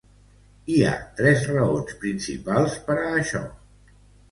Hi ha tres raons principals per a això.